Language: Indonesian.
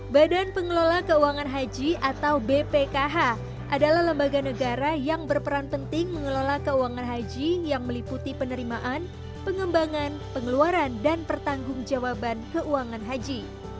badan pengelola keuangan haji atau bpkh adalah lembaga negara yang berperan penting mengelola keuangan haji yang meliputi penerimaan pengembangan pengeluaran dan pertanggung jawaban keuangan haji